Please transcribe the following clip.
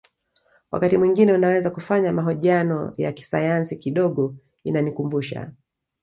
Wakati mwingine unaweza kufanya mahojiano ya kisayansi kidogo inanikumbusha